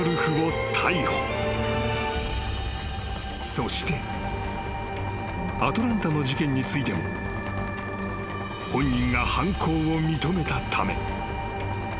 ［そしてアトランタの事件についても本人が犯行を認めたため］